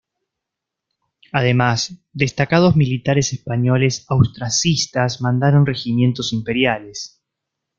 Además destacados militares españoles austracistas mandaron regimientos imperiales.